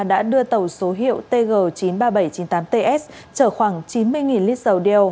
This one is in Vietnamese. đã đưa tàu số hiệu tg chín mươi ba nghìn bảy trăm chín mươi tám ts chở khoảng chín mươi lít dầu đeo